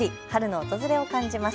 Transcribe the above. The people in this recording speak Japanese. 春の訪れを感じます。